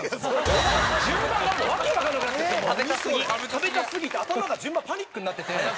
食べたすぎて頭がパニックになってて。